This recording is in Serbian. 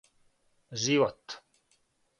живот